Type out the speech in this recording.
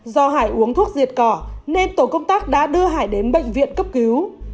do hải uống thuốc diệt cỏ nên tổ công tác đã đưa hải đến bệnh viện cấp cứu